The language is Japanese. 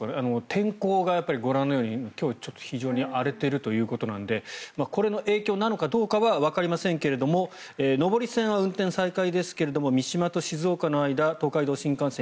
天候がご覧のように今日ちょっと非常に荒れているということなのでこれの影響なのかどうかはわかりませんけれども上り線は運転再開ですけど三島と静岡の間、東海道新幹線